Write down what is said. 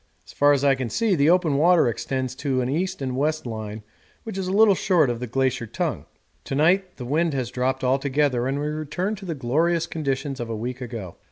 As far as I can see the open water extends to an east and west line which is a little short of the glacier tongue. To night the wind has dropped altogether and we return to the glorious conditions of a week ago.